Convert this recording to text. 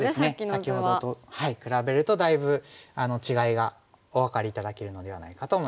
先ほどと比べるとだいぶ違いがお分かり頂けるのではないかと思います。